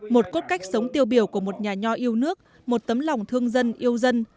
một cốt cách sống tiêu biểu của một nhà nho yêu nước một tấm lòng thương dân yêu dân